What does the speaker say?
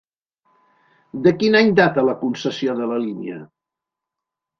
De quin any data la concessió de la línia?